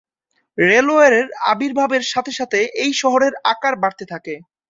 রেলওয়ের আবির্ভাবের সাথে সাথে এই শহরের আকার বাড়তে থাকে।